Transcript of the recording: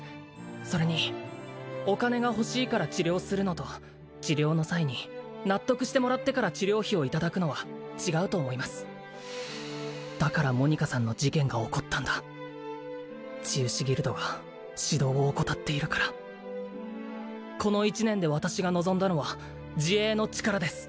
それにお金が欲しいから治療するのと治療の際に納得してもらってから治療費をいただくのは違うと思いますだからモニカさんの事件が起こったんだ治癒士ギルドが指導を怠っているからこの一年で私が望んだのは自衛の力です